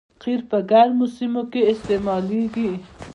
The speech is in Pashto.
قیر په ګرمو سیمو کې استعمالیږي